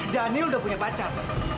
daniel udah punya pacar